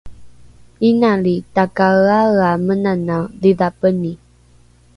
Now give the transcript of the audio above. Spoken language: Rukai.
inali takaeaea menanae dhidhapeni